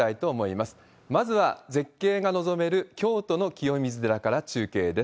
まずは絶景が望める京都の清水寺から中継です。